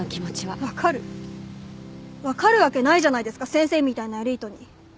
分かるわけないじゃないですか先生みたいなエリートに。